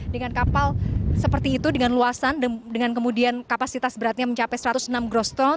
dengan kapal seperti itu dengan luasan dengan kemudian kapasitas beratnya mencapai satu ratus enam groston